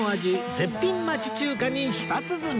絶品町中華に舌鼓